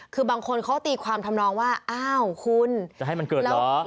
คือบางคนเขาตีความทำนองว่าอ้าวคุณจะให้มันเกิดเหรอ